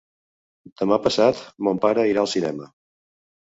Demà passat mon pare irà al cinema.